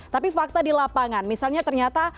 tapi fakta di lapangan misalnya ternyata